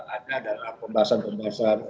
ada dalam pembahasan pembahasan